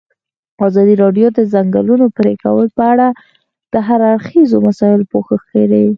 ازادي راډیو د د ځنګلونو پرېکول په اړه د هر اړخیزو مسایلو پوښښ کړی.